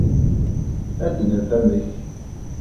Ad d-naf amek.